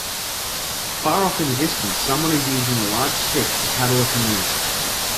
Far off in the distance, someone is using a large stick to paddle a canoe.